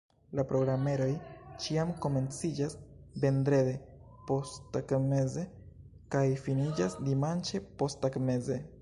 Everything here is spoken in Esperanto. La programeroj ĉiam komenciĝas vendrede posttagmeze kaj finiĝas dimanĉe posttagmeze.